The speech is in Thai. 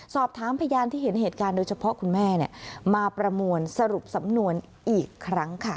สอบถามพยานที่เห็นเหตุการณ์โดยเฉพาะคุณแม่มาประมวลสรุปสำนวนอีกครั้งค่ะ